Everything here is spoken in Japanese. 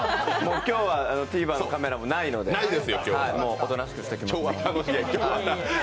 今日はＴＶｅｒのカメラもないのでおとなしく、楽しみます。